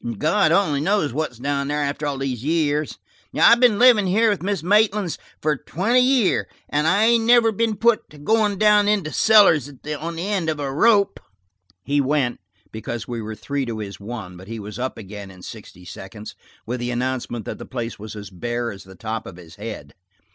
"God only knows what's down there, after all these years. I've been livin' here with the Miss Maitlands for twenty year, and I ain't never been put to goin' down into cellars on the end of a rope." He went, because we were three to his one, but he was up again in sixty seconds, with the announcement that the place was as bare as the top of his head.